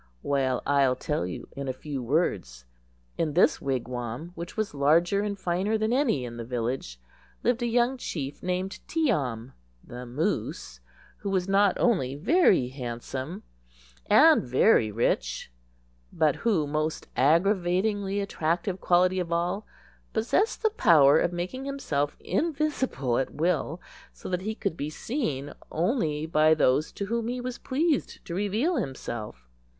Well, I'll tell you in a few words. In this wigwam, which was larger and finer than any in the village, lived a young chief named Tee am (the Moose), who was not only very handsome and very rich, but who—most aggravatingly attractive quality of all—possessed the power of making himself invisible at will, so that he could be seen only by those to whom he was pleased to reveal himself.